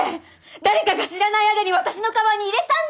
誰かが知らない間に私のカバンに入れたんだって！